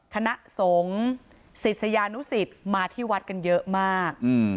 คณะสงสิทธิ์สยานุสิทธิ์มาที่วัดกันเยอะมากอืม